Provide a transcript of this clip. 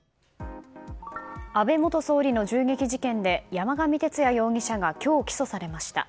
安倍元総理の銃撃事件で山上徹也容疑者が今日起訴されました。